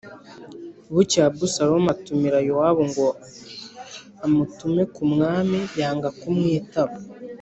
Bukeye Abusalomu atumira Yowabu ngo amutume ku mwami, yanga kumwitaba.